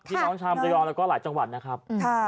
พี่น้องชาวมรยองแล้วก็หลายจังหวัดนะครับ